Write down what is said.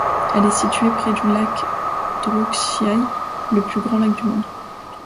Elle est située près du lac Drūkšiai, le plus grand lac du pays.